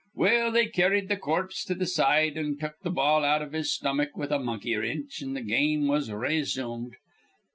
Well, they carried th' corpse to th' side, an' took th' ball out iv his stomach with a monkey wrinch, an' th' game was ray shumed.